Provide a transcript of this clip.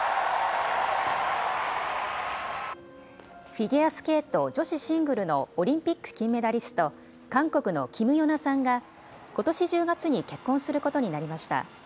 フィギュアスケート女子シングルのオリンピック金メダリスト、韓国のキム・ヨナさんが、ことし１０月に結婚することになりました。